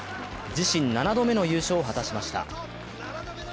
自身７度目の優勝を果たしました。